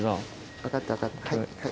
分かった分かったはい。